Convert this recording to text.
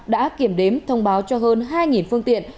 đã kiểm đếm thông báo cho hơn hai phương tiện